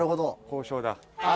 交渉だ。